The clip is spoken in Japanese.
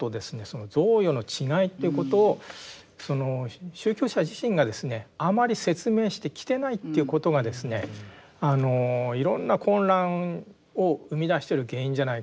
その贈与の違いということをその宗教者自身がですねあまり説明してきてないということがですねいろんな混乱を生み出してる原因じゃないかと。